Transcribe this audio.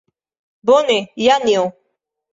Bone, Janjo?